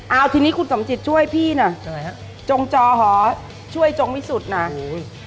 เอาทีนี้คุณสมจิตช่วยพี่หน่อยฮะจงจอหอช่วยจงวิสุทธิ์น่ะโอ้โห